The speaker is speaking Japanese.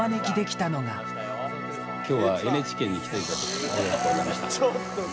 きょうはＮＨＫに来ていただきましてありがとうございました。